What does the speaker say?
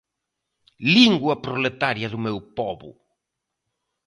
Língoa proletaria do meu pobo.